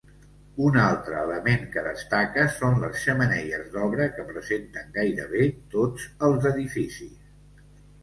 Un altre element que destaca són les xemeneies d'obra que presenten gairebé tots els edificis.